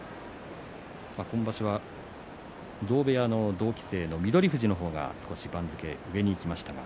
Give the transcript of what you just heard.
今場所は同部屋の同期生の翠富士の方が少し番付が上にいきました。